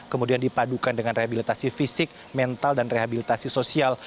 kemudian dipadukan dengan rehabilitasi fisik mental dan rehabilitasi sosial